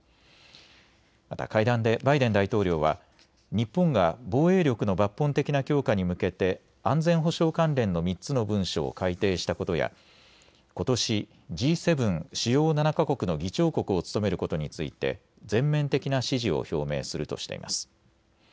また会談でバイデン大統領は日本が防衛力の抜本的な強化に向けて安全保障関連の３つの文書を改定したことやことしＧ７・主要７か国の議長国を務めることについて全面的な支持を表明するとしています。